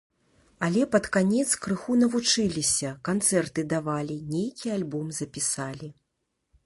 Але пад канец крыху навучыліся, канцэрты давалі, нейкі альбом запісалі.